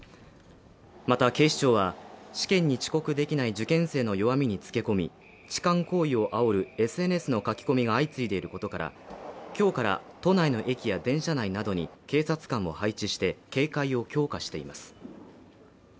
また警視庁は試験に遅刻できない受験生の弱みにつけ込み痴漢行為をあおるＳＮＳの書き込みが相次いでいることから今日から都内の駅や電車内などに警察官を配置して警戒を強化しています